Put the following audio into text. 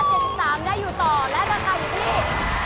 ๗๓ได้อยู่ต่อและราคาอยู่ที่